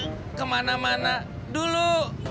tika jangan kemana mana dulu